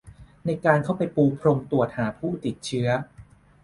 ในการเข้าไปปูพรมตรวจหาผู้มีเชื้อ